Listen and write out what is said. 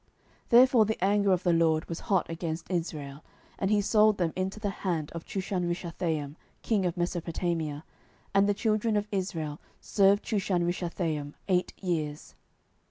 07:003:008 Therefore the anger of the LORD was hot against Israel, and he sold them into the hand of Chushanrishathaim king of Mesopotamia: and the children of Israel served Chushanrishathaim eight years.